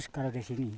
dua ratus kalau di sini